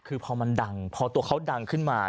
คือพอมันดังพอตัวเขาดังขึ้นมา